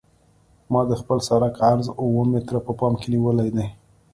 ما د خپل سرک عرض اوه متره په پام کې نیولی دی